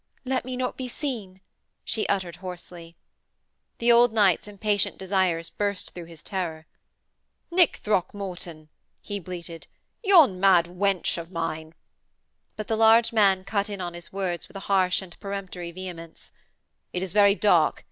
'Let me not be seen!' she uttered hoarsely. The old knight's impatient desires burst through his terror. 'Nick Throckmorton,' he bleated, 'yon mad wench of mine....' But the large man cut in on his words with a harsh and peremptory vehemence. 'It is very dark.